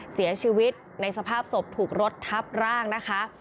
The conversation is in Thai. เสียชีวิตในสภาพศพถูกรถทับร่างนะคะ